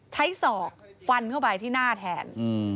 ศอกฟันเข้าไปที่หน้าแทน